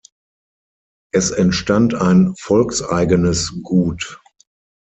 Es entstand ein Volkseigenes Gut.